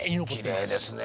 きれいですね